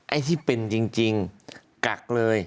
ไอ้ที่เป็นจริงกักเลย